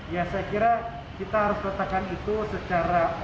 ya saya kira kita harus letakkan itu secara